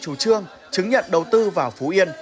chủ trương chứng nhận đầu tư vào phú yên